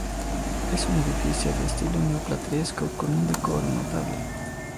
Es un edificio de estilo neo-plateresco con un decoro notable.